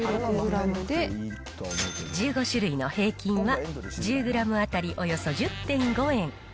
１５種類の平均は、１０グラム当たりおよそ１０．５円。